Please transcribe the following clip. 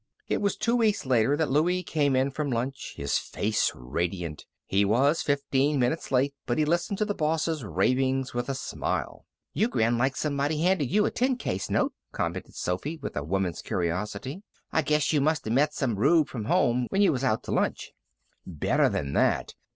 It was two weeks later that Louie came in from lunch, his face radiant. He was fifteen minutes late, but he listened to the boss's ravings with a smile. "You grin like somebody handed you a ten case note," commented Sophy, with a woman's curiosity. "I guess you must of met some rube from home when you was out t' lunch." "Better than that!